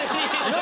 何？